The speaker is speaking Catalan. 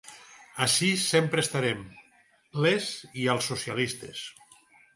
Ací sempre estarem les i els socialistes.